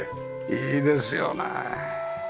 いいですよね。